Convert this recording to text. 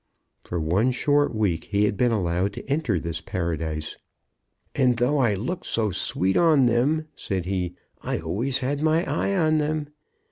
For one short week he had been allowed to enter this Paradise. "And though I looked so sweet on them," said he, "I always had my eye on them.